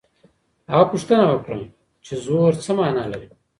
هغه پوښتنه وکړه چي زور څه مانا لري.